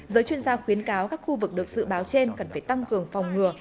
giới chuyên gia khuyến cáo các khu vực được dự báo trên cần phải tăng cường phòng ngừa